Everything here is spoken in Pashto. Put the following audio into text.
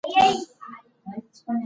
معلومات راټول کړه.